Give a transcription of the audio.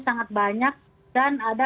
sangat banyak dan ada